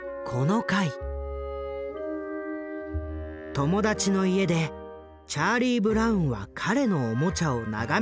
友達の家でチャーリー・ブラウンは彼のおもちゃを眺めている。